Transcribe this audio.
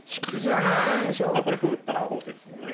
ああこれ歩打ったら王手ですもんね。